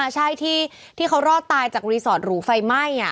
ใช่ที่เขารอดตายจากรีสอร์ทหรูไฟไหม้